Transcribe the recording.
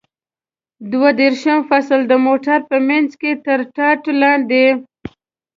دوه دېرشم فصل: د موټر په منځ کې تر ټاټ لاندې.